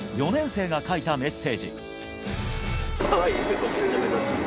４年生が書いたメッセージ。